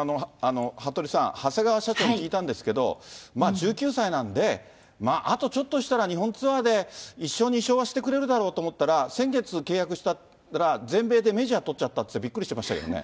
服部さん、長谷川社長に聞いたんですけど、まあ１９歳なんで、あとちょっとしたら日本ツアーで１勝、２勝はしてくれるだろうと思ったら、先月契約したら、全米でメジャー取っちゃったって、びっくりしてましたけどね。